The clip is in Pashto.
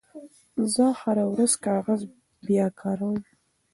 زه هره ورځ کاغذ بیاکاروم.